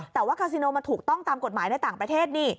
แต่ว่าคาซิโนมันถูกต้องตามกฎหมายในต่างประเทศนี่